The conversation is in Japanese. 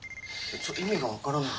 ちょっ意味がわからない。